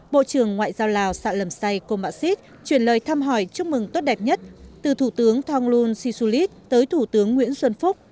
bộ trưởng ngoại giao lào sao lâm say komachit chuyển lời thăm hỏi chúc mừng tốt đẹp nhất từ thủ tướng thonglun sisulit tới thủ tướng nguyễn xuân phúc